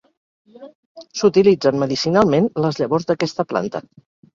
S'utilitzen medicinalment les llavors d'aquesta planta.